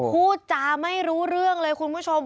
พูดจาไม่รู้เรื่องเลยคุณผู้ชม